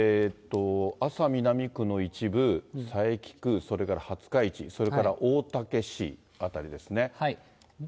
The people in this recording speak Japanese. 安佐南区の一部、佐伯区、それから廿日市、それから大竹市辺りですね。